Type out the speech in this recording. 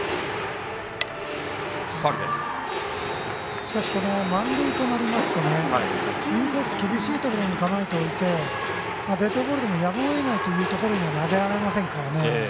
しかし満塁となるとインコース厳しいところに構えておいてデッドボールでもやむを得ないところには投げられませんからね。